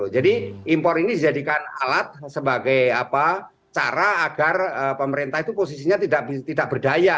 jadi impor ini dijadikan alat sebagai cara agar pemerintah itu posisinya tidak berdaya